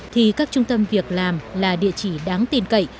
thì các trung tâm việc làm là địa chỉ đáng tin cậy